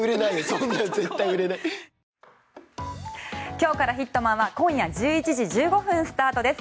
「今日からヒットマン」は今夜１１時１５分スタートです。